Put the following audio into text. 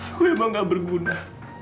aku emang tidak berguna